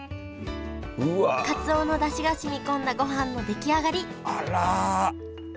かつおのだしが染み込んだごはんの出来上がりあら！